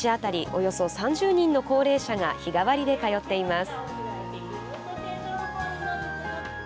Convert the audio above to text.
およそ３０人の高齢者が日替わりで通っています。